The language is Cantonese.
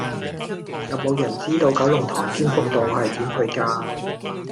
有無人知道九龍塘添福道係點去㗎